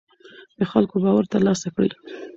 د خلکو باور تر لاسه کړئ